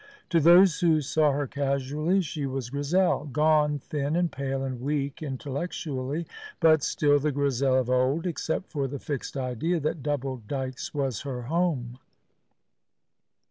To those who saw her casually she was Grizel gone thin and pale and weak intellectually, but still the Grizel of old, except for the fixed idea that Double Dykes was her home.